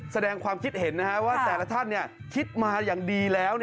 แสดงความคิดเห็นว่าแต่ละท่านคิดมาอย่างดีแล้ว